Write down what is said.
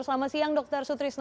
selamat siang dr sutrisno